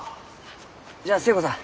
じゃあ寿恵子さん